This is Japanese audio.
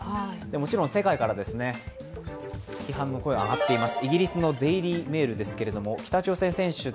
もちろん世界から批判の声が上がっています。